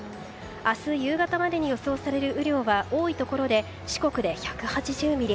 明日夕方までに予想される雨量は多いところで四国で１８０ミリ